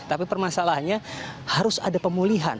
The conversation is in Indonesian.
tapi permasalahannya harus ada pemulihan